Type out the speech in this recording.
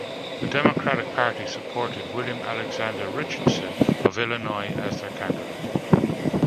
The Democratic Party supported William Alexander Richardson of Illinois as their candidate.